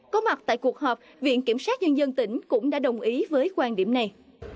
có mặt tại cuộc họp viện kiểm sát nhân dân tỉnh cũng đã đồng ý với quan điểm này